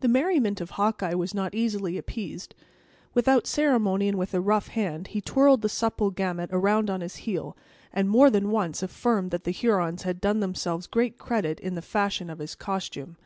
The merriment of Hawkeye was not easily appeased. Without ceremony, and with a rough hand, he twirled the supple Gamut around on his heel, and more than once affirmed that the Hurons had done themselves great credit in the fashion of his costume.